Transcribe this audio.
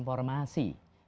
dari yang kita lihat